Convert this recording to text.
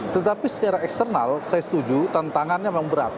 tetapi secara eksternal saya setuju tantangannya memang berat